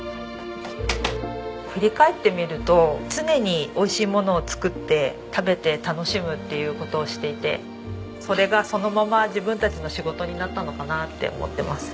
振り返ってみると常においしいものを作って食べて楽しむっていう事をしていてそれがそのまま自分たちの仕事になったのかなって思ってます。